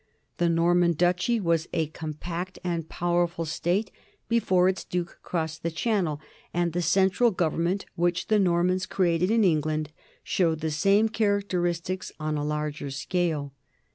The Norman duchy was a compact and powerful state before its duke crossed the Channel, and the central government which the Normans created in England showed the same characteristics on a larger scale.